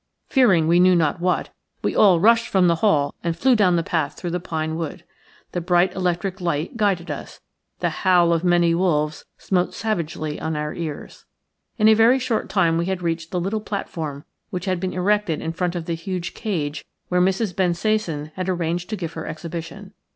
Fearing we knew not what, we all rushed from the hall and flew down the path through the pine wood. The bright electric light guided us; the howl of many wolves smote savagely on our ears. In a very short time we had reached the little platform which had been erected in front of the huge cage where Mrs. Bensasan had arranged to give her exhibition.